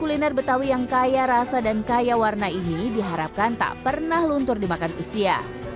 kuliner betawi yang kaya rasa dan kaya warna ini diharapkan tak pernah luntur dimakan usia